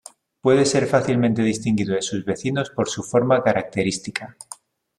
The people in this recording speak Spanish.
Puede ser fácilmente distinguido de sus vecinos por su forma característica.